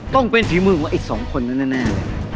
ต้องเป็นฝีมือของอีกสองคนนั้นแน่เลย